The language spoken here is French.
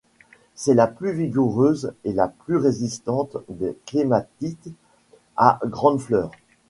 C'est la plus vigoureuse et la plus résistante des clématites à grandes fleurs.